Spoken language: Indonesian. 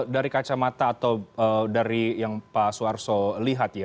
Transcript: dari kacamata atau dari yang pak suarso lihat ya